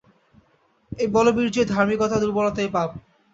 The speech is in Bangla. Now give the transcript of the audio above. এই বলবীর্যই ধার্মিকতা, দুর্বলতাই পাপ।